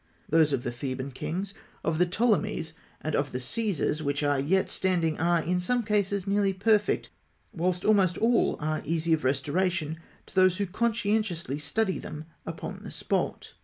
Those of the Theban kings, of the Ptolemies, and of the Caesars which are yet standing are in some cases nearly perfect, while almost all are easy of restoration to those who conscientiously study them upon the spot.